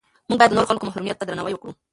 موږ باید د نورو خلکو محرمیت ته درناوی وکړو.